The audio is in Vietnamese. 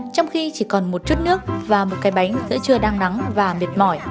trong khi chỉ còn một chút nước và một cái bánh giữa trưa đang nắng và mệt mỏi